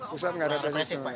pusap nggak represif